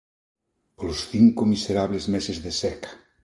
Polos cinco miserables meses de seca...